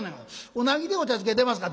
「うなぎでお茶漬け出ますか？」。